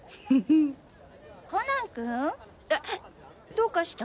どうかした？